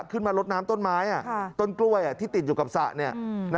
ขึ้นมาลดน้ำต้นไม้ต้นกล้วยที่ติดอยู่กับสระ